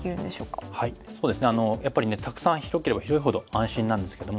やっぱりねたくさん広ければ広いほど安心なんですけども。